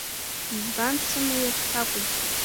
Избан, сымала шсакәыз?